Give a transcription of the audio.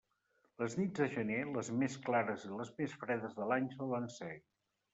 Les nits de gener, les més clares i les més fredes de l'any solen ser.